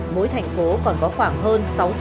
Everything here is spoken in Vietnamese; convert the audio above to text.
mỗi thành phố còn có khoảng hơn